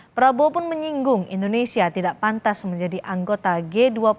prabowo pun menyinggung indonesia tidak pantas menjadi anggota g dua puluh